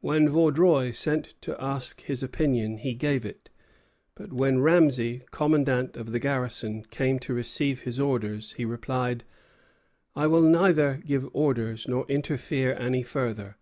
When Vaudreuil sent to ask his opinion, he gave it; but when Ramesay, commandant of the garrison, came to receive his orders, he replied: "I will neither give orders nor interfere any further.